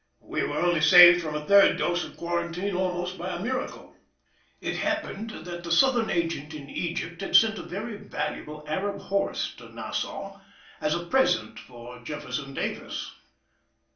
We were only saved from a third dose of quarantine almost by a miracle. It happened that the Southern Agent in Egypt had sent a very valuable Arab horse to Nassau, as a present for Jefferson Davis.